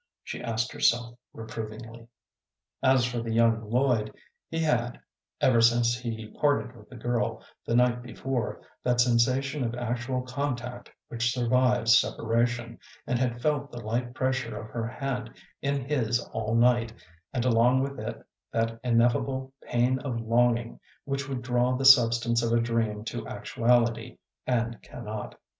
she asked herself, reprovingly. As for young Lloyd, he had, ever since he parted with the girl the night before, that sensation of actual contact which survives separation, and had felt the light pressure of her hand in his all night, and along with it that ineffable pain of longing which would draw the substance of a dream to actuality and cannot.